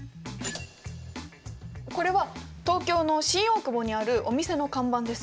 これは東京の新大久保にあるお店の看板です。